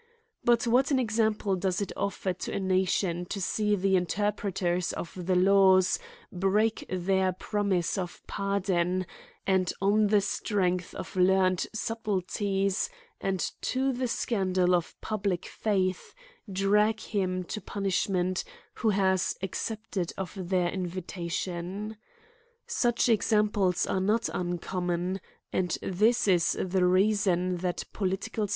But what an example does it offer to a na tion to see the interpreters of the laws break their promise of pardon, and on the strength of learned subtleties, and to the scandal of pubiic faith, drag him to punishment who hath accepted of their in vitatioii J Such examples are not uncommon, and this is the reason that political